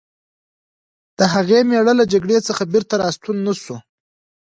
د هغې مېړه له جګړې څخه بېرته راستون نه شو